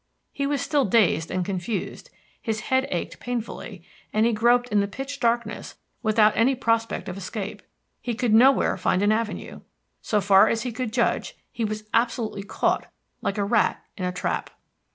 He was still dazed and confused; his head ached painfully, and he groped in the pitch darkness without any prospect of escape. He could nowhere find an avenue. So far as he could judge, he was absolutely caught like a rat in a trap.